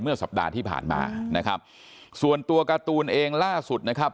สัปดาห์ที่ผ่านมานะครับส่วนตัวการ์ตูนเองล่าสุดนะครับ